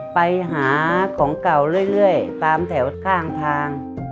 ไปหาของเก่าเรื่อยตามแถวข้างทาง